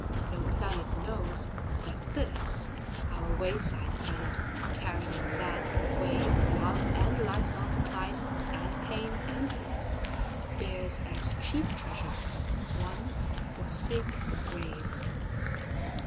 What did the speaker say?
No planet knows that thisOur wayside planet, carrying land and wave, Love and life multiplied, and pain and bliss, Bears, as chief treasure, one forsaken grave.